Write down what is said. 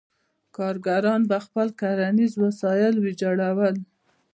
کارګران به خپل کرنیز وسایل ویجاړول.